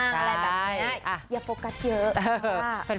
โดดโฟกัสเยอะ